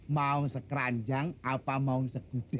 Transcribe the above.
mau sekeranjang apa mau segudang